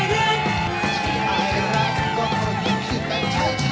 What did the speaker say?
ที่ไอลักก็คอยอยู่แบบไทย